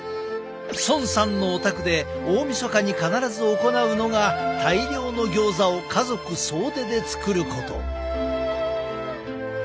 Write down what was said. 孫さんのお宅で大みそかに必ず行うのが大量のギョーザを家族総出で作ること。